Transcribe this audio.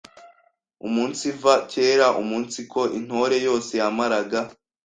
umunsiva kera umunsiko Intore yose yamaraga